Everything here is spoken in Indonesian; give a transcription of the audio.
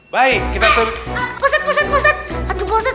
baik kita tuh